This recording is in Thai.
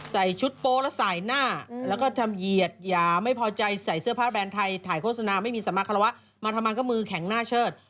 ใส่ชุดโป๊แล้วสายหน้าแล้วก็ทำเหยียดอย่าไม่พอใจใส่เสื้อผ้าแบรนด์ไทยถ่ายโฆษณาไม่มีสมาคารวะมาทำงานก็มือแข็งหน้าเชิด